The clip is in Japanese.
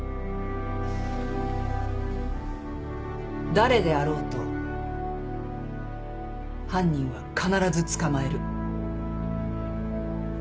誰であろうと犯人は必ず捕まえる。